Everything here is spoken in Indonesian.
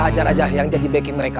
kita ajar aja yang jadi beki mereka